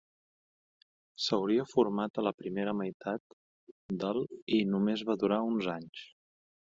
S'hauria format a la primera meitat del i només va durar uns anys.